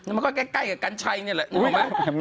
มันก็ใกล้กับกันชัยนี่แหละรู้ไหม